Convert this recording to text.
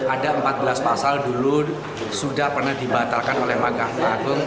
ada empat belas pasal dulu sudah pernah dibatalkan oleh mahkamah agung